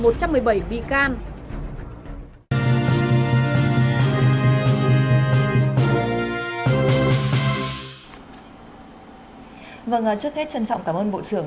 trước hết trân trọng cảm ơn bộ trưởng